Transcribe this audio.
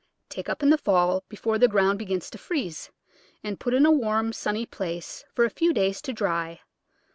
Take up in the fall before the ground begins to freeze, and put in a warm, sunny place for a few days to dry.